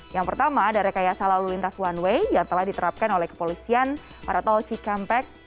yang pertama ada rekayasa lalu lintas one way yang telah diterapkan oleh kepolisian pada tol cikampek